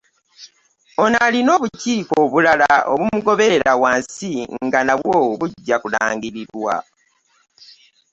Ono alina obukiiko obulala obumugoberera wansi nga nabwo bujja kulangirirwa